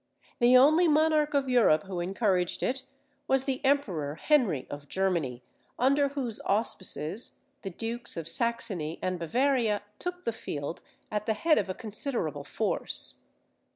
The only monarch of Europe who encouraged it was the Emperor Henry of Germany, under whose auspices the Dukes of Saxony and Bavaria took the field at the head of a considerable force.